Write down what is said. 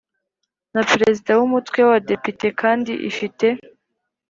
Na perezida w umutwe w abadepite kandi ifite